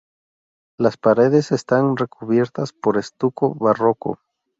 Las paredes están recubiertas por estuco barroco.